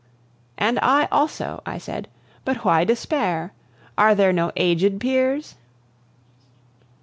"And I also," I said. "But why despair? Are there no aged peers?"